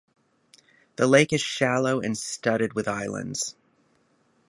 The lake is shallow and studded with islands.